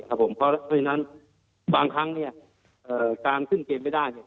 ครับผมเพราะบางครั้งเนี้ยเอ่อการขึ้นเกมไม่ได้เนี้ย